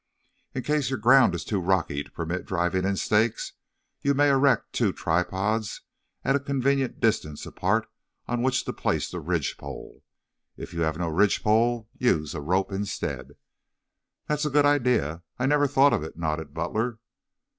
In case your ground is too rocky to permit driving in stakes, you may erect two tripods at a convenient distance apart on which to place the ridge pole. If you have no ridge pole use a rope instead." "That is a good idea. I never thought of it," nodded Butler.